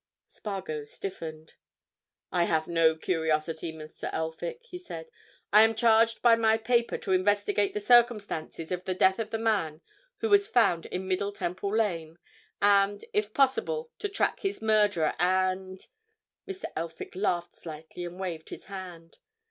Spargo stiffened. "I have no curiosity, Mr. Elphick," he said. "I am charged by my paper to investigate the circumstances of the death of the man who was found in Middle Temple Lane, and, if possible, to track his murderer, and——" Mr. Elphick laughed slightly and waved his hand.